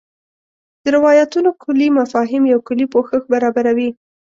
د روایتونو کُلي مفاهیم یو کُلي پوښښ برابروي.